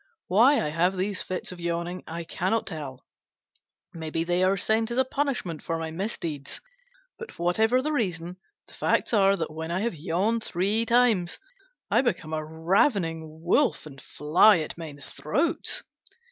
Why I have these fits of yawning I cannot tell: maybe they are sent as a punishment for my misdeeds; but, whatever the reason, the facts are that when I have yawned three times I become a ravening wolf and fly at men's throats."